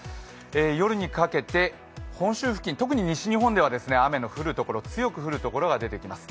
夜にかけて本州付近、特に西日本では雨の降るところ、強く降るところが出てきます。